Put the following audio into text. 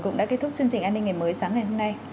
cũng đã kết thúc chương trình an ninh ngày mới sáng ngày hôm nay